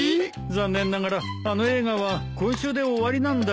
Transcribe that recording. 残念ながらあの映画は今週で終わりなんだよ。